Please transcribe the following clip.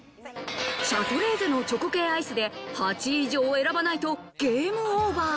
シャトレーゼのチョコ系アイスで、８位以上を選ばないとゲームオーバー。